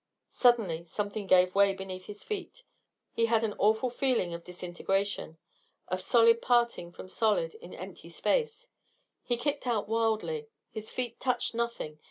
Suddenly something gave way beneath his feet. He had an awful feeling of disintegration, of solid parting from solid in empty space. He kicked out wildly. His feet touched nothing.